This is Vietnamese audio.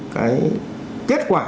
cái kết quả